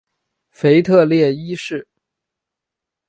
腓特烈一世。